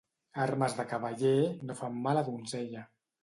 Armes de cavaller no fan mal a donzella.